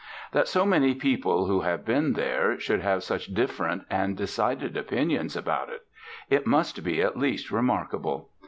That so many people who have been there should have such different and decided opinions about it! It must be at least remarkable.